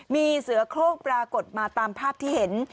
มีเสือโครงปรากฏมาตามภาพที่เห็น